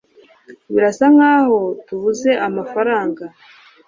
Birasa nkaho tubuze amafaranga